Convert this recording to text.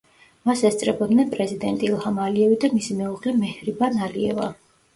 მას ესწრებოდნენ პრეზიდენტი ილჰამ ალიევი და მისი მეუღლე მეჰრიბან ალიევა.